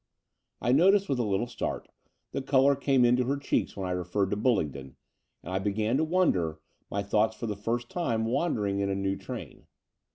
I noticed, with a little start, the colour come into her cheeks when I referred to BuUingdon; and I began to wonder, my thoughts for the first time wandering in a new train.